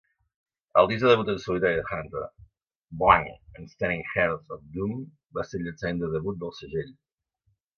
El disc de debut en solitari de Hunter "Blank Unstaring Heirs of Doom" va ser el llançament de debut del segell.